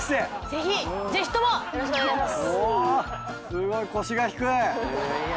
すごい腰が低い。